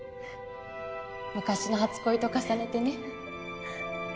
昔の初恋と重ねてね。